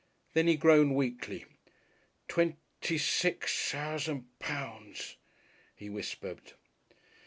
Then he groaned weakly. "Twenty six thousand pounds?" he whispered.